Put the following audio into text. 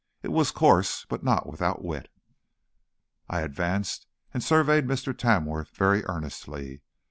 It was coarse, but not without wit." I advanced and surveyed Mr. Tamworth very earnestly.